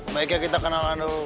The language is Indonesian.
mereka kita kenalan dulu